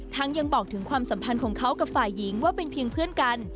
ยังบอกถึงความสัมพันธ์ของเขากับฝ่ายหญิงว่าเป็นเพียงเพื่อนกัน